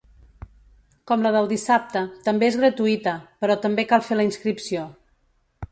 Com la del dissabte, també és gratuïta, però també cal fer la inscripció.